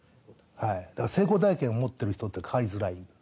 だから成功体験を持っている人って、変わりづらい。